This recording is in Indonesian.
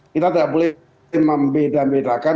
kita tidak boleh membeda bedakan